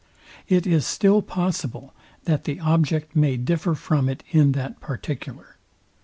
It is still possible, that the object may differ from it in that particular.